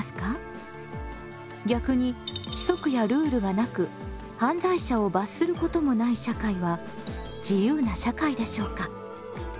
逆に規則やルールがなく犯罪者を罰することもない社会は自由な社会でしょうか？